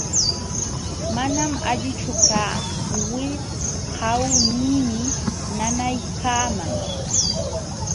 Manam allinchu kaa, wiqawniimi nanaykaaman.